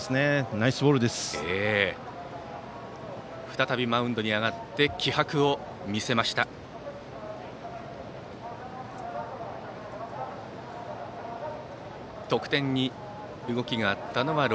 再びマウンドに上がって気迫を見せました、岩崎。